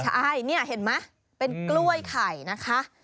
ใช่นี่เห็นไหมเป็นกล้วยไข่นะคะ